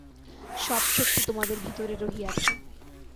সব শক্তি তোমাদের ভিতরে রহিয়াছে।